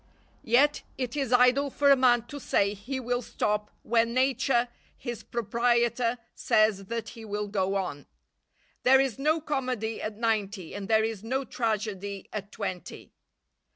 Yet it is idle for a man to say he will stop when Nature, his proprietor, says that he will go on. There is no comedy at ninety, and there is no tragedy at twenty.